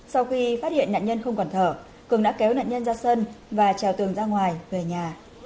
sau khi phát hiện nạn nhân không còn thở cường đã kéo nạn nhân ra sân và trèo tường ra ngoài về nhà